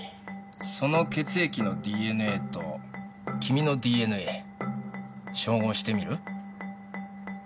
その血液のＤＮＡと君のＤＮＡ照合してみる？